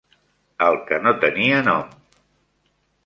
el que "no tenia nom".